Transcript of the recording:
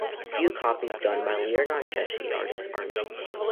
Few copies done by Leonardeschi artists are known.